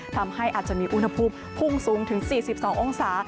อาจจะมีอุณหภูมิพุ่งสูงถึง๔๒องศา